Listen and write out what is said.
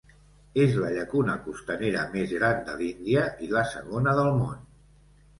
És la llacuna costanera més gran de l'Índia i la segona del món.